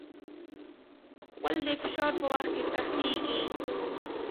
غول د فشار په وخت سختېږي.